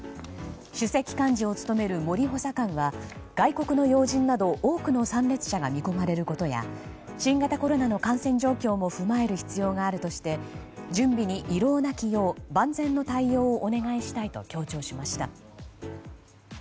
主席幹事を務める森補佐官は外国の要人など多くの参列者が見込まれることや新型コロナの感染状況も踏まえる必要があるとして準備に遺漏なきよう万全の対応をお願いしたいと強調しました。